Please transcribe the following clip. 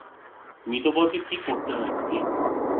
মিতবরকে কী করতে হয় দিদি?